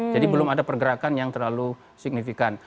jadi belum ada pergerakan yang terlalu signifikan